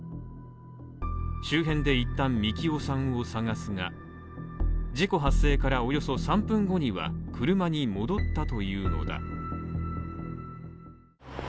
周辺でいったん樹生さんを探すが事故発生からおよそ３分後には車に戻ったというのだ。